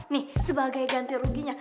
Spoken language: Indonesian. nih sebagai ganti ruginya